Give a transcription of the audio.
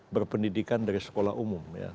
berpendidikan dari sekolah umum